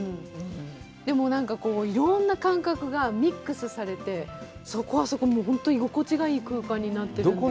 でも、いろんな感覚がミックスされて、そこはそこで居心地がいい異空間になってるんですよね。